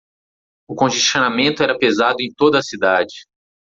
o congestionamento era pesado em toda a cidade.